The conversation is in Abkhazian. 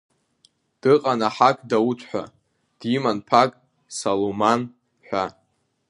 Дыҟан аҳак Дауҭ ҳәа, диман ԥак Саламаун ҳәа.